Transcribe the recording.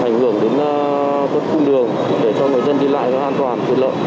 ảnh hưởng đến khung đường để cho người dân đi lại an toàn tuyệt lợi